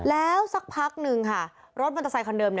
แล้วสักพักนึงค่ะรถมันถาดสายคนเดิม